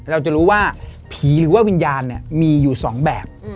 เราจะรู้ว่าผีหรือว่าวิญญาณมีอยู่๒แบบ